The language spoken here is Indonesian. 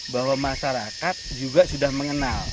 bahwa masyarakat juga sudah mengenal